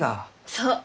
そう。